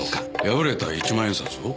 破れた１万円札を？